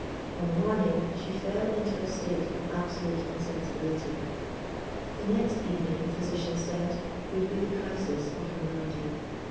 On the morning, she fell into a state of absolute insensibility. The next evening, the physicians said, would be the crisis of her malady.